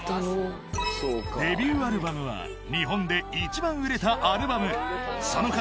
デビューアルバムは日本で一番売れたアルバムその数